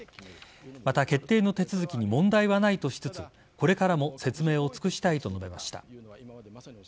また、決定の手続きに問題はないとしつつこれからも説明を尽くしたいと述べました。